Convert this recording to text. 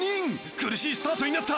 苦しいスタートになった！